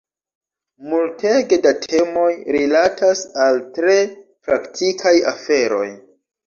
Multege da temoj rilatas al tre praktikaj aferoj.